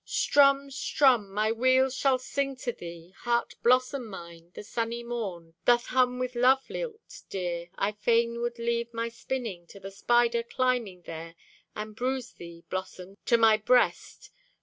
Strumm, strumm! My wheel shall sing to thee, Heart blossom mine. The sunny morn Doth hum with lovelilt, dear. I fain would leave my spinning To the spider climbing there, And bruise thee, blossom, to my breast.